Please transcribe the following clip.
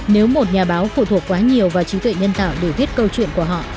nếu một nhà báo phụ thuộc quá nhiều vào trí tuệ nhân tạo để viết câu chuyện của họ